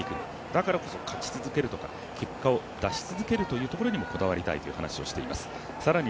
だからこそ勝ち続けるとか結果を出し続けるというところにもこだわりたいと話しています。